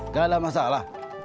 nggak ada masalah